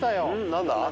何だ？